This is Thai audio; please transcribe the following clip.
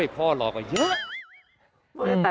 พ่อหลอกมาเยี่ย่ะ